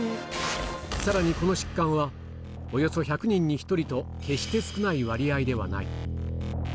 さらにこの疾患は、およそ１００人に１人と、決して少ない割合ではない。